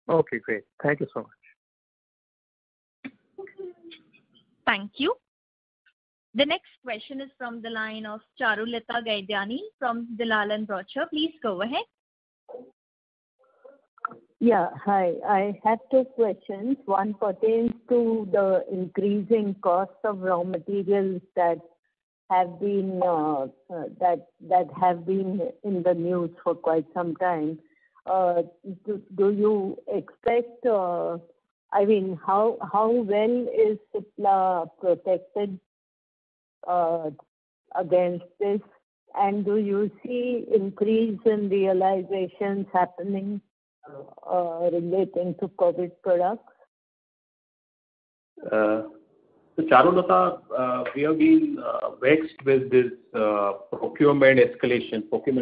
Okay, great. Thank you so much. Thank you. The next question is from the line of Charulata Gaidhani from Dalal & Broacha. Please go ahead. Yeah. Hi. I have two questions. One pertains to the increasing cost of raw materials that have been in the news for quite some time. How well is Cipla protected against this, and do you see increase in realizations happening relating to COVID products? Charulata, we have been vexed with this procurement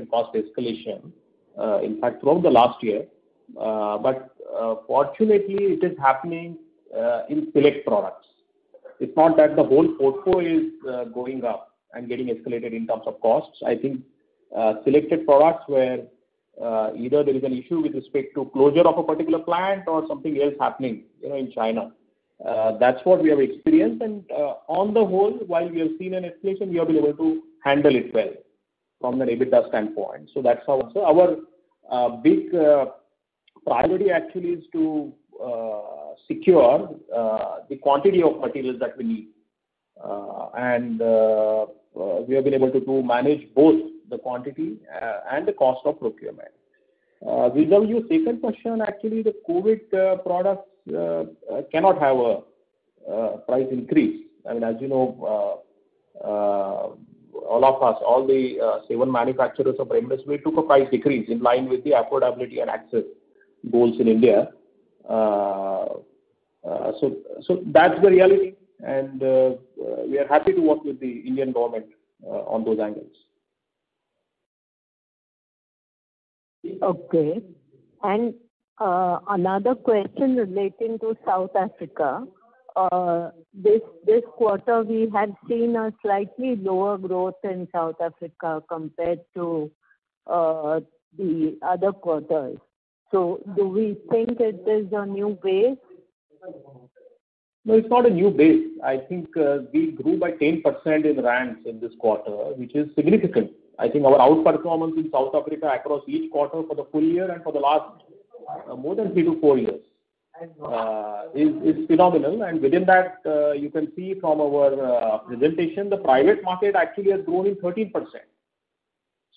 cost escalation, in fact from the last year. Fortunately it is happening in select products. It's not that the whole portfolio is going up and getting escalated in terms of costs. I think selected products where either there is an issue with respect to closure of a particular plant or something else happening in China. That's what we have experienced. On the whole, while we have seen an escalation, we have been able to handle it well from an EBITDA standpoint. That's how. Our big priority actually is to secure the quantity of materials that we need. We have been able to manage both the quantity and the cost of procurement. With regards to your second question, actually, the COVID products cannot have a price increase. As you know all of us, all the seven manufacturers of remdesivir took a price decrease in line with the affordability and access goals in India. That's the reality, and we are happy to work with the Indian government on those angles. Okay. Another question relating to South Africa. This quarter, we had seen a slightly lower growth in South Africa compared to the other quarters. Do we think that there's a new base? No, it's not a new base. I think we grew by 10% in ZAR in this quarter, which is significant. I think our outperformance in South Africa across each quarter for the full year and for the last more than three to four years is phenomenal. Within that, you can see from our presentation, the private market actually has grown in 13%.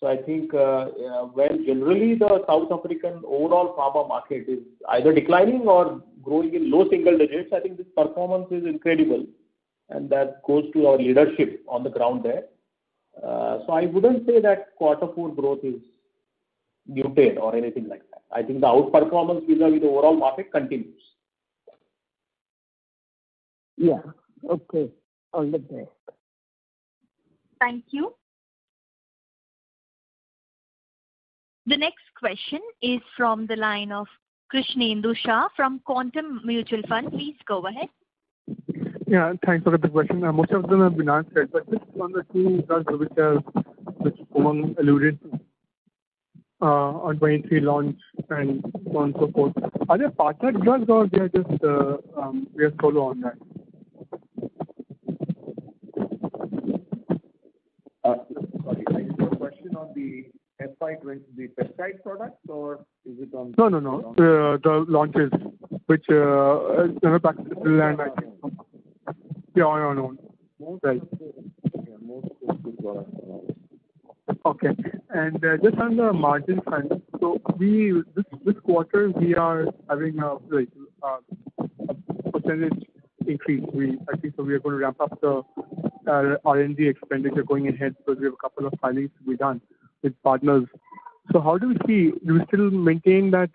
I think when generally the South African overall pharma market is either declining or growing in low single digits, I think this performance is incredible, and that goes to our leadership on the ground there. I wouldn't say that quarter four growth is muted or anything like that. I think the outperformance vis-à-vis the overall market continues. Yeah. Okay. All the best. Thank you. The next question is from the line of Krishnendu Saha from Quantum Mutual Fund. Please go ahead. Yeah, thanks for the question. Most of them have been answered, but just on the two fronts which Umang alluded to, on 2023 launch and launch of both. Are they partner drugs or they are just your solo on that? Sorry, is your question on the FY 2023 peptide products or is it? No, the launches which are lying back. Yeah. Most of it is run. Okay. Just under margin front. This quarter we are having a percentage increase, I think. We're going to ramp up the R&D expenditure going ahead because we have a couple of filings to be done with partners. How do you see, do you still maintain that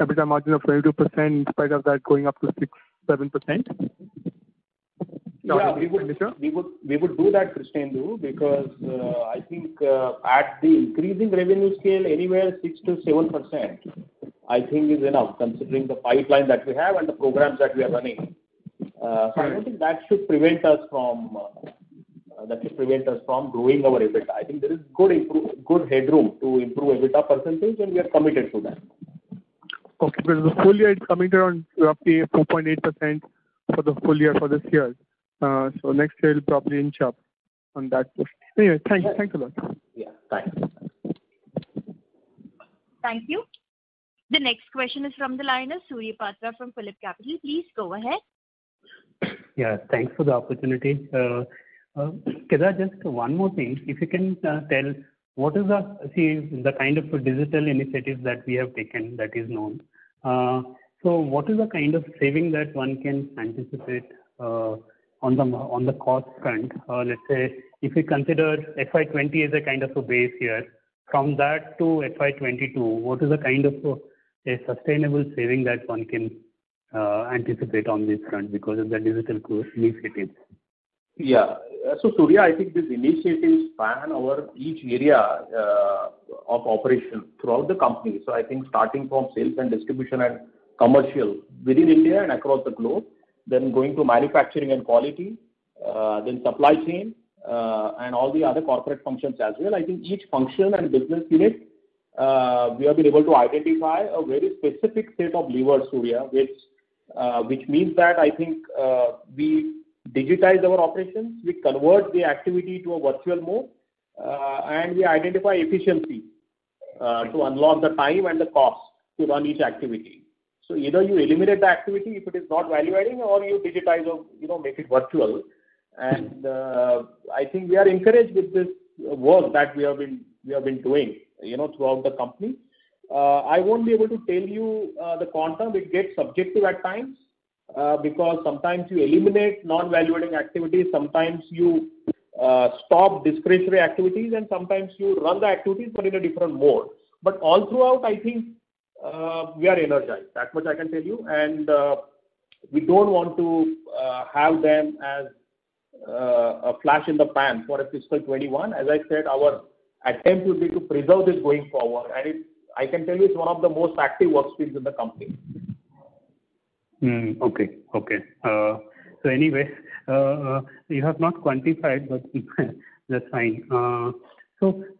EBITDA margin of 32% in spite of that going up to 6%, 7%? Yeah. We would do that, Krishnendu, because I think at the increasing revenue scale, anywhere 6%-7%, I think is enough considering the pipeline that we have and the programs that we are running. Right. I think that should prevent us from growing our EBITDA. I think there is good headroom to improve EBITDA percent, and we are committed to that. Okay. The full year is coming around roughly 4.8% for the full year for this year. Next year it'll probably inch up on that push. Anyway, thanks a lot. Yeah, bye. Thank you. The next question is from the line of Surya Patra from PhillipCapital. Please go ahead. Yeah, thanks for the opportunity. Kedar, just one more thing. If you can tell, what is the kind of digital initiatives that we have taken that is known? What is the kind of saving that one can anticipate on the cost front? Let's say, if you consider FY 2020 as a base year, from that to FY 2022, what is a sustainable saving that one can anticipate on this front because of the digital initiatives? Yeah. Surya, I think these initiatives span over each area of operation throughout the company. I think starting from sales and distribution and commercial within India and across the globe, going to manufacturing and quality, supply chain, all the other corporate functions as well. I think each function and business unit we have been able to identify a very specific set of levers, Surya, which means that I think we digitize our operations, we convert the activity to a virtual mode, and we identify efficiency to unlock the time and the cost to run each activity. Either you eliminate the activity if it is not value-adding, or you digitize or make it virtual. I think we are encouraged with this work that we have been doing throughout the company. I won't be able to tell you the quantum. It gets subjective at times because sometimes you eliminate non-value-adding activities, sometimes you stop discretionary activities, and sometimes you run the activities but in a different mode. All throughout, I think we are energized. That much I can tell you. We don't want to have them as a flash in the pan for FY 2021. As I said, our attempt will be to preserve this going forward. I can tell you, it's one of the most active workstreams in the company. Okay. Anyway, you have not quantified, but that's fine.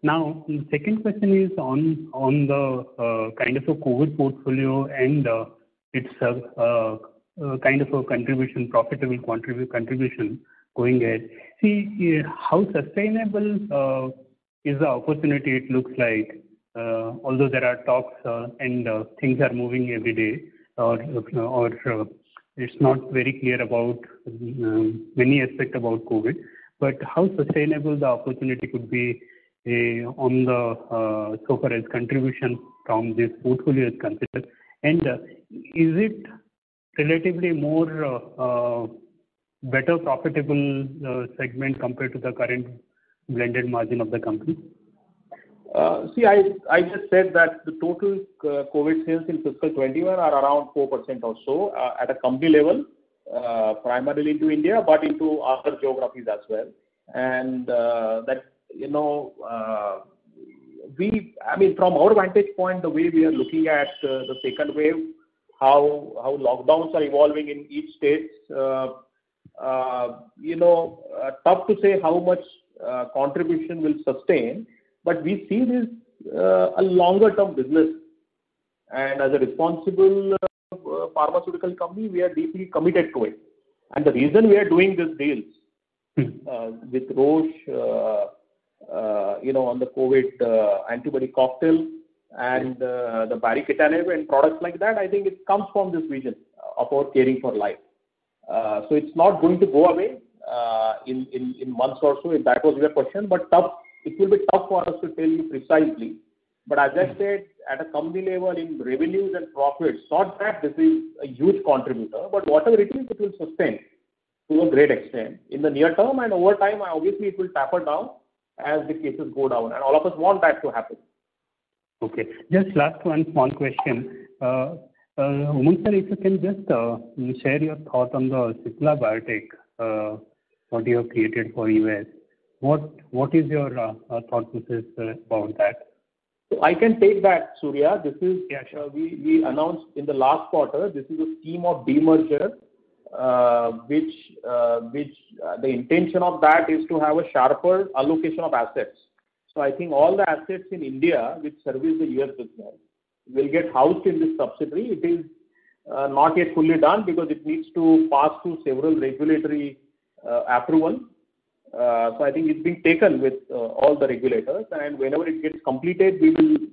Now the second question is on the kind of COVID portfolio and itself kind of a contribution, profitable contribution going ahead. How sustainable is the opportunity it looks like? Although there are talks and things are moving every day or it's not very clear about many aspects about COVID, how sustainable the opportunity could be on the so-called contribution from this portfolio is considered, and is it relatively more better profitable segment compared to the current blended margin of the company? See, I just said that the total COVID sales in FY 2021 are around 4% or so at a company level, primarily to India, but into other geographies as well. From our vantage point, the way we are looking at the second wave, how lockdowns are evolving in each state, tough to say how much contribution will sustain, but we see this a longer-term business, and as a responsible pharmaceutical company, we are deeply committed to it. The reason we are doing these deals with Roche on the COVID antibody cocktail and the baricitinib and products like that, I think it comes from this vision of our caring for life. It's not going to go away in months or so, if that was your question. It will be tough for us to tell you precisely. As I said, at a company level, in revenues and profits, not that this is a huge contributor, but whatever it is, it will sustain to a great extent. In the near term and over time, obviously, it will taper down as the cases go down, and all of us want that to happen. Okay, just last one small question. Sir, if you can just share your thought on the Cipla BioTec, what you have created for U.S. What is your thought process about that? I can take that, Surya. Yeah, sure. We announced in the last quarter, this is a scheme of demerger. The intention of that is to have a sharper allocation of assets. I think all the assets in India which service the U.S. business will get housed in this subsidiary. It is not yet fully done because it needs to pass through several regulatory approvals. I think it's being taken with all the regulators, and whenever it gets completed, we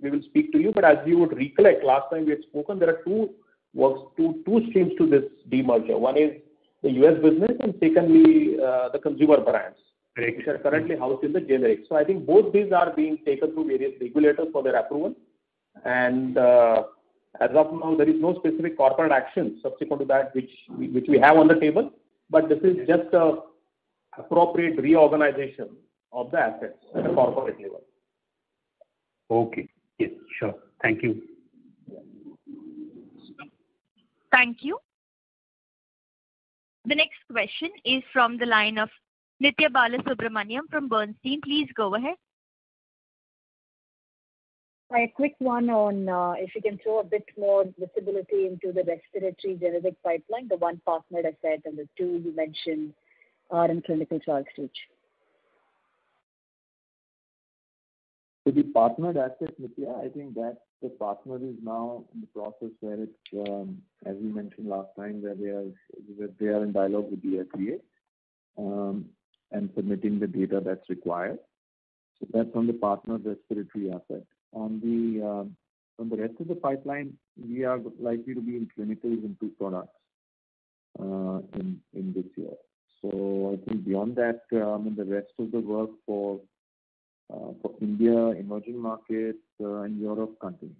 will speak to you. As you would recollect, last time we had spoken, there are two streams to this demerger. One is the U.S. business, and secondly, the consumer brands. Right. which are currently housed in the CHL. I think both these are being taken to various regulators for their approval. As of now, there is no specific corporate action subsequent to that which we have on the table. This is just an appropriate reorganization of the assets at a corporate level. Okay. Yes, sure. Thank you. Thank you. The next question is from the line of Nithya Balasubramanian from Bernstein. Please go ahead. A quick one on if you can throw a bit more visibility into the respiratory generic pipeline, the one partner asset and the two you mentioned are in clinical trial stage. The partner asset, Nithya, I think that the partner is now in the process where it's, as we mentioned last time, that they are in dialogue with the FDA and submitting the data that's required. That's on the partner respiratory asset. On the rest of the pipeline, we are likely to be in clinicals in two products in this year. I think beyond that, the rest of the work for India, emerging markets, and Europe continues.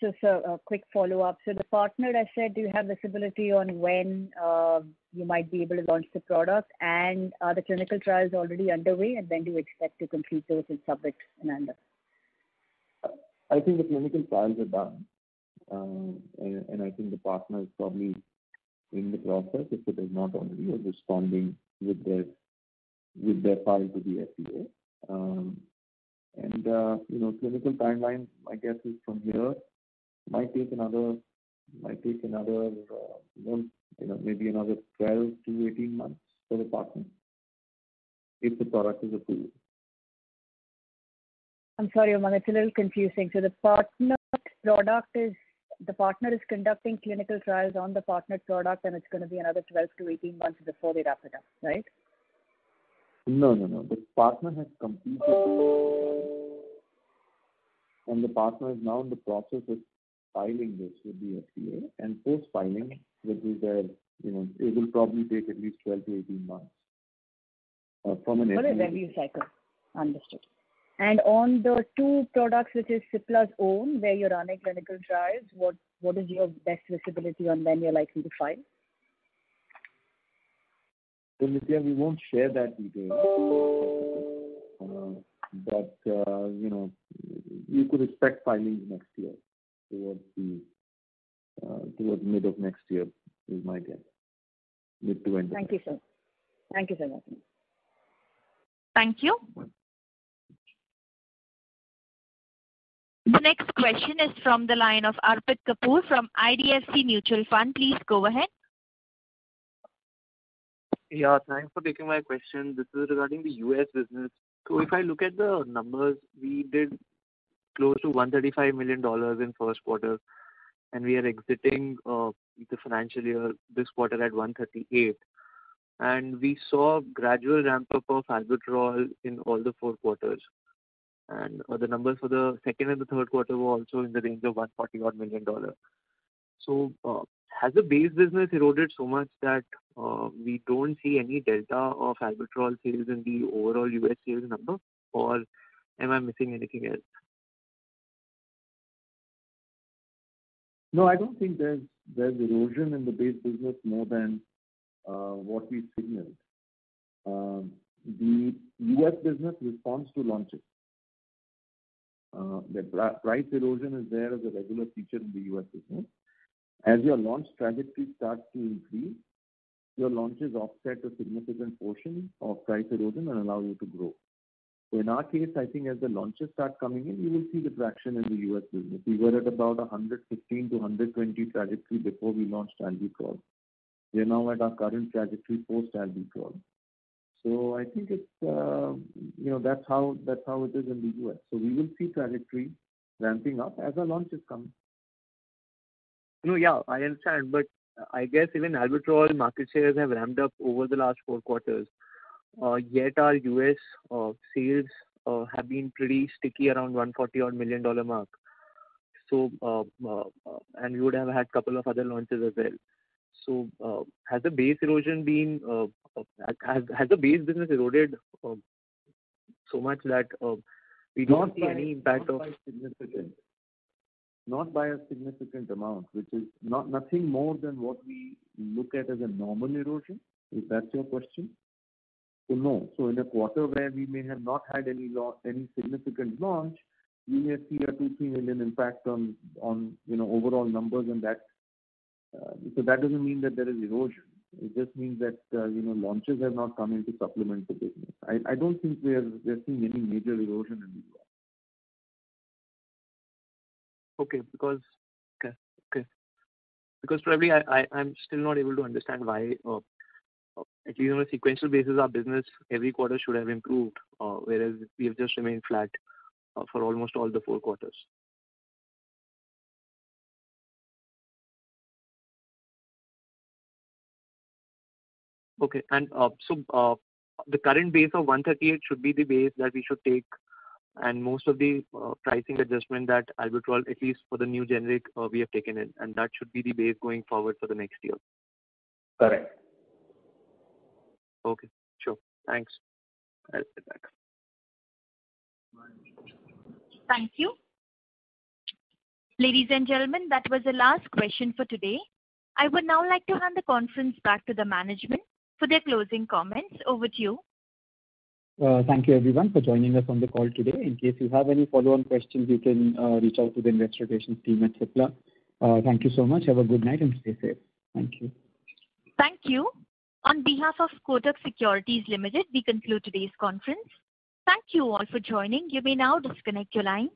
Just a quick follow-up. The partner has said you have visibility on when you might be able to launch the product and are the clinical trials already underway and when do you expect to complete those and submit to FDA? I think the clinical trials are done and I think the partner is probably in the process, if it is not already, of responding with their file to the FDA. Clinical timeline, my guess is from here might take maybe another 12-18 months for the partner if the product is approved. I'm sorry, it's a little confusing. The partner is conducting clinical trials on the partner product and it's going to be another 12-18 months before we wrap it up, right? No, no. The partner has completed, and the partner is now in the process of filing this with the FDA. Post-filing with the FDA, it will probably take at least 12-18 months from an FDA. From an review cycle. Understood. On the two products which is Cipla's own, where you're running clinical trials, what is your best visibility on when you're likely to file? Nithya, we won't share that detail. You could expect filings next year, towards mid of next year is my guess, mid to end of. Thank you, sir. Thank you so much. Thank you. The next question is from the line of Arpit Kapoor from IDFC Mutual Fund. Please go ahead. Yeah, thanks for taking my question. This is regarding the U.S. business. If I look at the numbers, we did close to $135 million in first quarter and we are exiting the financial year this quarter at $138 million and we saw gradual ramp-up of albuterol in all the four quarters and the numbers for the second and the third quarter were also in the range of $141 million. Has the base business eroded so much that we don't see any delta of albuterol sales in the overall U.S. sales number or am I missing anything else? No, I don't think there's erosion in the base business more than what we signaled. The U.S. business responds to launches. The price erosion is there as a regular feature in the U.S. business. As your launch trajectory starts to increase, your launches offset a significant portion of price erosion and allow you to grow. In our case, I think as the launches start coming in, you will see the traction in the U.S. business. We were at about 115-20 trajectory before we launched Andicurb. We're now at our current trajectory post Andicurb. I think that's how it is in the U.S. We will see trajectory ramping up as the launches come. No, yeah, I understand. I guess even albuterol market shares have ramped up over the last four quarters. Yet our U.S. sales have been pretty sticky around $141 million mark. You would have had couple of other launches as well. Has the base business eroded so much that we don't see any impact of. Not by a significant amount, which is nothing more than what we look at as a normal erosion. Is that your question? No. In a quarter where we may have not had any significant launch, we may see a $2, $3 million impact on overall numbers. That doesn't mean that there is erosion. It just means that launches have not come in to supplement the business. I don't think we're seeing any major erosion in the U.S. Okay. Because probably I'm still not able to understand why, at even a sequential basis our business every quarter should have improved whereas we've just remained flat for almost all the four quarters. Okay. The current base of $138 should be the base that we should take and most of the pricing adjustment that albuterol at least for the new generic we have taken in and that should be the base going forward for the next year. Correct. Okay, sure. Thanks. I'll sit back. Thank you. Ladies and gentlemen, that was the last question for today. I would now like to hand the conference back to the management for their closing comments. Over to you. Thank you everyone for joining us on the call today. In case you have any follow-on questions you can reach out to the investor relations team at Cipla. Thank you so much. Have a good night and stay safe. Thank you. Thank you. On behalf of Kotak Securities Limited, we conclude today's conference. Thank you all for joining. You may now disconnect your lines.